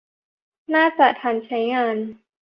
น่าจะทันใช้งาน